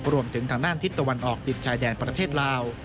รวมถึงทางนั้นทิศตะวันออกติดชายแดนประเทศลาว